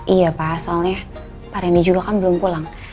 iya pak soalnya pak reni juga kan belum pulang